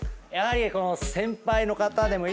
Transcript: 先輩の方でもいいです。